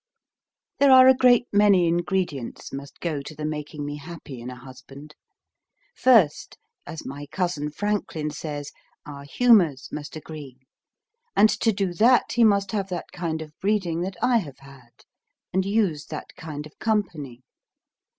There are a great many ingredients must go to the making me happy in a husband. First, as my cousin Franklin says, our humours must agree; and to do that he must have that kind of breeding that I have had, and used that kind of company.